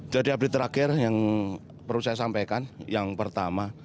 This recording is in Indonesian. jadi update terakhir yang perlu saya sampaikan yang pertama